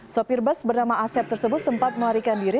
sopir bus bernama asep tersebut sempat melarikan diri